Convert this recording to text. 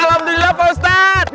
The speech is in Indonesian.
alhamdulillah pak ustadz